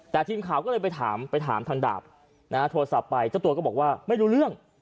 แต่ทีมข่าวก็เลยไปถามไปถามทางดาบนะฮะโทรศัพท์ไปเจ้าตัวก็บอกว่าไม่รู้เรื่อง